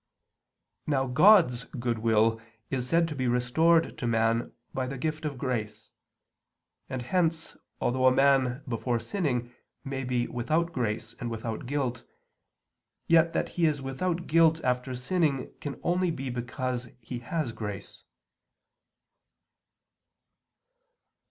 Now God's goodwill is said to be restored to man by the gift of grace; and hence although a man before sinning may be without grace and without guilt, yet that he is without guilt after sinning can only be because he has grace.